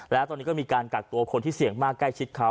แล้วตอนนี้ก็มีการกักตัวคนที่เสี่ยงมากใกล้ชิดเขา